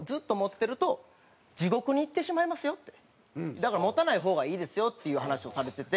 「だから持たない方がいいですよ」っていう話をされてて。